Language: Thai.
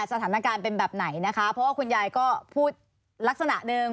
สถานการณ์เป็นแบบไหนนะคะเพราะว่าคุณยายก็พูดลักษณะหนึ่ง